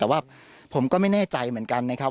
แต่ว่าผมก็ไม่แน่ใจเหมือนกันนะครับ